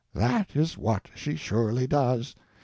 That is what she surely does.